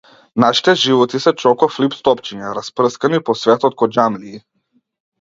Нашите животи се чоко флипс топчиња, распрскани по светот ко џамлии.